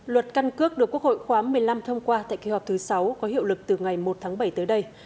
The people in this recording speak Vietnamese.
luật căn cước được quốc hội khóa một mươi năm thông qua tại kỳ họp thứ sáu có hiệu lực từ ngày một tháng bảy tới đây